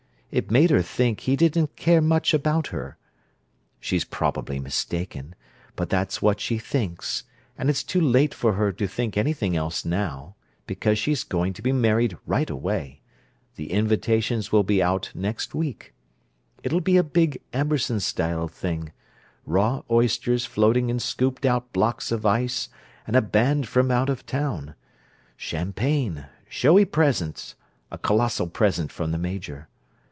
It made her think he didn't care much about her. She's probably mistaken, but that's what she thinks, and it's too late for her to think anything else now, because she's going to be married right away—the invitations will be out next week. It'll be a big Amberson style thing, raw oysters floating in scooped out blocks of ice and a band from out of town—champagne, showy presents; a colossal present from the Major.